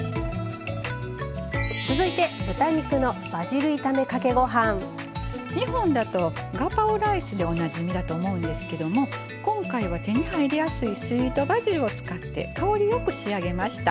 続いて日本だとガパオライスでおなじみだと思うんですけども今回は手に入りやすいスイートバジルを使って香りよく仕上げました。